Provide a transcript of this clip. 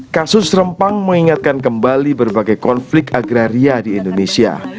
kasus rempang mengingatkan kembali berbagai konflik agraria di indonesia